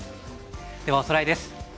ではおさらいです。